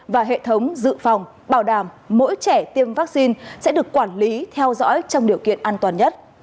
và hệ thống dự phòng bảo đảm mỗi trẻ tiêm vaccine sẽ được quản lý theo dõi trong điều kiện an toàn nhất